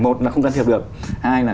một là không can thiệp được hai là